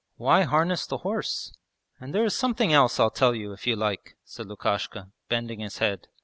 'Why harness the horse? And there is something else I'll tell you if you like,' said Lukashka, bending his head.